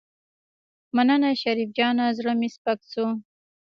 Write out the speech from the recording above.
مننه شريف جانه زړه مې سپک شو.